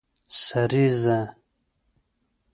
سريزه